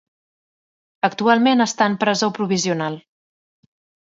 Actualment està en presó provisional.